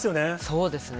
そうですね。